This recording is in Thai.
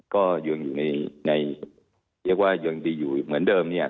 ก็ยังอยู่ในเรียกว่ายังดีอยู่เหมือนเดิมเนี่ย